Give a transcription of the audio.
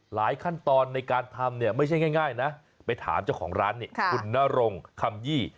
ขั้นตอนในการทำเนี่ยไม่ใช่ง่ายนะไปถามเจ้าของร้านนี่คุณนรงคำยี่